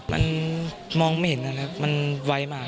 มันมองไม่เห็นนะครับมันไวมาก